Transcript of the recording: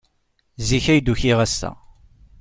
Zik ay d-ukiɣ ass-a.